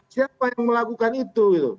siapa yang melakukan itu